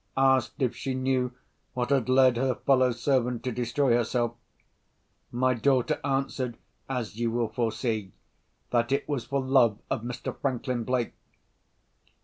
Asked if she knew what had led her fellow servant to destroy herself, my daughter answered (as you will foresee) that it was for love of Mr. Franklin Blake.